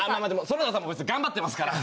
園田さんも頑張ってますから。